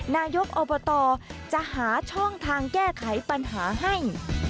นายกอบตจะหาช่องทางแก้ไขปัญหาให้